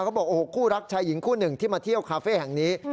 เขาบอกโอ้โหคู่รักชายหญิงคู่หนึ่งที่มาเที่ยวคาเฟ่แห่งนี้